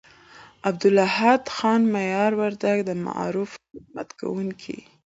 عبدالاحد خان مایار وردگ، د معارف خدمت کوونکي